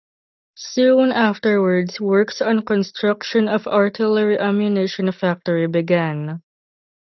Soon afterwards, works on construction of artillery ammunition factory began.